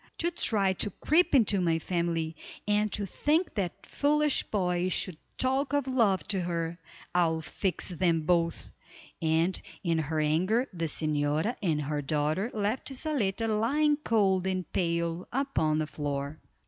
To try to creep into my family, and to think that foolish boy should talk of love to her. I'll fix them both," and in her anger the señora and her daughter left Zaletta lying cold and pale upon the floor.